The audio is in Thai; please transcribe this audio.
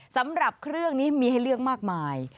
สำหรับเครื่องนี้มีให้เลือกมากมาย